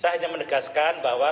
saya hanya menegaskan bahwa